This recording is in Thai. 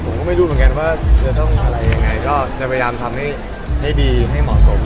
ก็จะดูเหมือนกันว่าจะต้องอะไรยังไงก็จะพยายามทำให้ให้ดีให้เหมาะสมที่สุดครับ